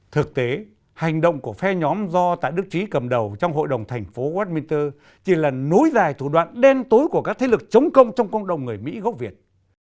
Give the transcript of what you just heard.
thực tế hành động của phe nhóm do tại đức trí cầm đầu trong hội đồng thành phố westminster chỉ là nối dài thủ đoạn đen tối của các thế lực chống công trong cộng đồng người mỹ gốc việt